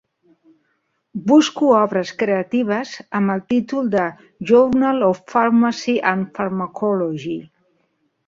Busco obres creatives amb el títol de "Journal of Pharmacy and Pharmacology".